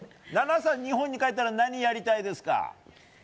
菜那さん、日本に帰ったら何やりたいですか？